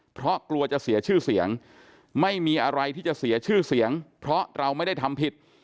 เพราะกลัวจะเสียชื่อเสียงไม่มีอะไรที่จะเสียชื่อเสียงเพราะเราไม่ได้ทำผิด